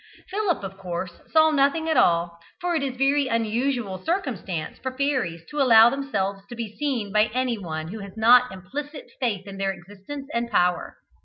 Philip of course saw nothing at all, for it is a very unusual circumstance for fairies to allow themselves to be seen by any one who has not implicit faith in their existence and power.